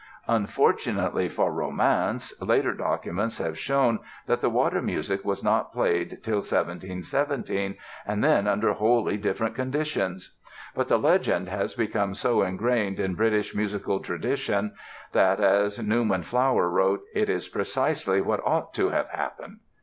Unfortunately for romance, later documents have shown that the "Water Music" was not played till 1717 and then under wholly different conditions. But the legend has become so ingrained in British musical tradition that, as Newman Flower wrote, "it is precisely what ought to have happened."